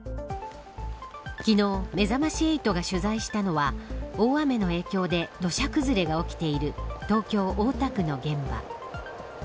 昨日めざまし８が取材したのは大雨の影響で土砂崩れが起きている東京、大田区の現場。